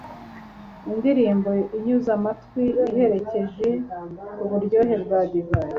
indirimbo inyuze amatwi iherekeje uburyohe bwa divayi